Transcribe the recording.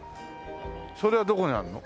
それはどこにあるの？